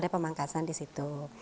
ada pemangkasan di situ